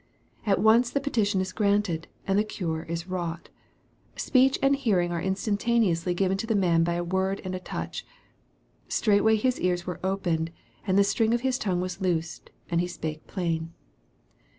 At once the pe tition is granted, and the cure is wrought. Speech and hearing are instantaneously given to the man by a word and a touch. " Straightway his ears were opened, and the string of his tongue was loosed, and he spake plain."